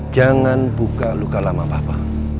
jangan buka luka lama bapak